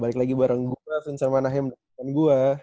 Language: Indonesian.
balik lagi bareng gue vincent manahem dan gue